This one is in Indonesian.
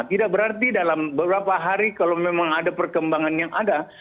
tidak berarti dalam beberapa hari kalau memang ada perkembangan yang ada